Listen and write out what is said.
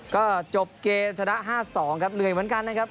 ก็จบเกมชนะ๕๒ครับเหนื่อยเหมือนกันนะครับ